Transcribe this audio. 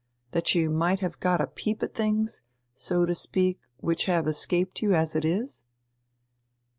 That you might have got a peep at things, so to speak, which have escaped you as it is?"